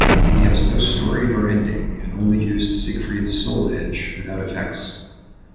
He has no story nor ending, and only used Siegfried's Soul Edge without effects.